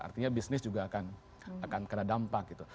artinya bisnis juga akan kena dampak gitu